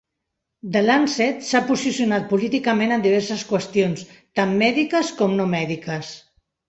"The Lancet" s'ha posicionat políticament en diverses qüestions, tant mèdiques com no mèdiques.